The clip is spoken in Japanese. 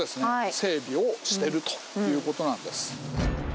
整備をしてるという事なんです。